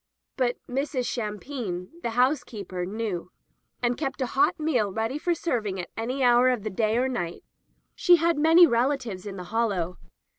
But Mrs. Shampine, the housekeeper, knew, and kept a hot meal ready for serving at any hour of the day or night. She had many relatives in the Hollow.